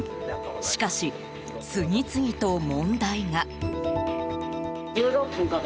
しかし、次々と問題が。